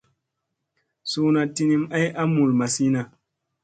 Suuna tinim ay a mul mazina.